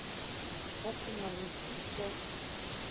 — Ок лий, манам, — и всё!